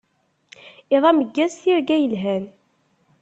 Iḍ ameggaz, tirga yelhan.